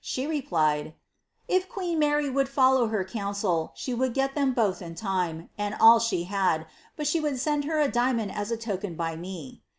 She replied^ ^ If queen Mary would follow her lel she would get them bcih in time, and all she had, but she d send her a diamond as a token by me.'